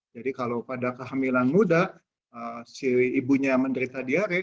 jadi kalau pada kehamilan muda si ibunya menderita diare